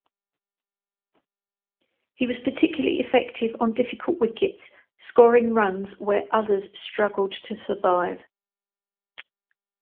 He was particularly effective on difficult wickets, scoring runs where others struggled to survive.